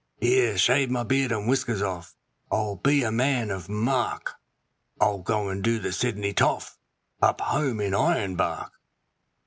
''Ere! shave my beard and whiskers off, I'll be a man of mark, I'll go and do the Sydney toff up home in Ironbark.'